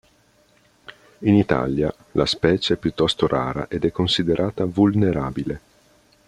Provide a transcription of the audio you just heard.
In Italia la specie è piuttosto rara ed considerata "Vulnerabile".